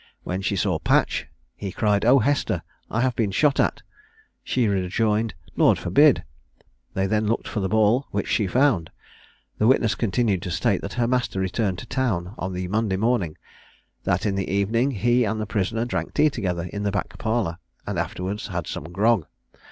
When she saw Patch, he cried, "Oh, Hester, I have been shot at!" She rejoined, "Lord forbid!" They then looked for the ball, which she found. The witness continued to state that her master returned to town on the Monday morning; that in the evening he and the prisoner drank tea together in the back parlour, and afterwards had some grog.